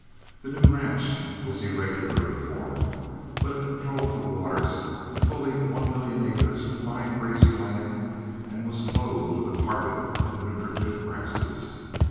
The new ranch was irregular in form, but it controlled the waters of fully one million acres of fine grazing land and was clothed with a carpet of nutritive grasses.